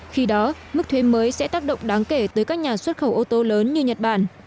khi đó mức thuế mới sẽ tác động đáng kể tới các nhà xuất khẩu ô tô lớn như nhật bản